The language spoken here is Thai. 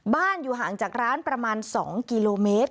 อยู่ห่างจากร้านประมาณ๒กิโลเมตร